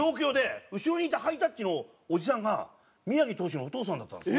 後ろにいたハイタッチのおじさんが宮城投手のお父さんだったんです。